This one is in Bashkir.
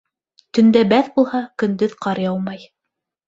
Төндә бәҫ булһа, көндөҙ ҡар яумай.